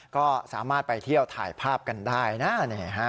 ก็สามารถไปเที่ยวถ่ายภาพกันได้นะ